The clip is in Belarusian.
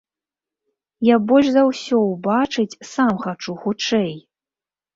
Я больш за ўсё ўбачыць сам хачу хутчэй!